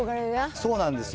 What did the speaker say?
そうなんですよ。